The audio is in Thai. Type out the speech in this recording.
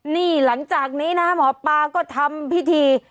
นี่หลังจากนี้นะหมอปลาก็ทำพิธี